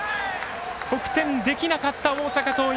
得点できなかった大阪桐蔭。